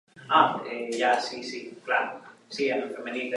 Fins i tot amb l'auge industrial, Amurrio va seguir sent una zona agrícola.